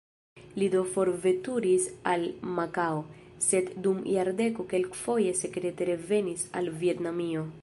Li do forveturis al Makao, sed dum jardeko kelkfoje sekrete revenis al Vjetnamio.